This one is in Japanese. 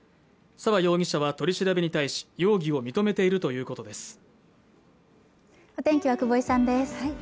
沢容疑者は取り調べに対し容疑を認めているということです